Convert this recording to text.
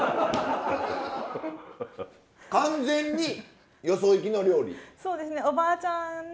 完全によそ行きの料理？